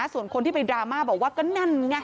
ส่วนคนที่ไปดราม่าบอกว่าก็นั่นไง